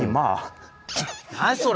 何それ？